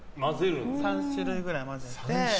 ３種類ぐらい混ぜて。